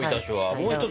もう一つは？